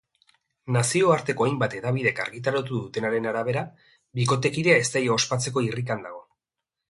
Nazioarteko hainbat hedabidek argitaratu dutenaren arabera, bikotekidea ezteia ospatzeko irrikan dago.